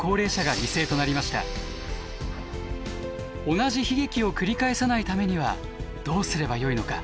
同じ悲劇を繰り返さないためにはどうすればよいのか？